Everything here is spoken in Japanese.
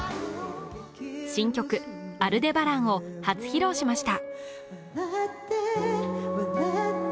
新曲「アルデバラン」を初披露しました。